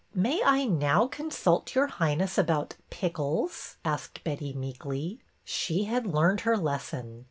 May I now consult your Highness about pickles ? asked Betty, meekly. She had learned her lesson.